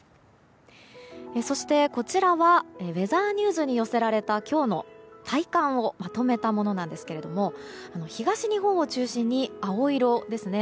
そして、こちらはウェザーニューズに寄せられた今日の体感をまとめたものなんですけども東日本を中心に青色ですね。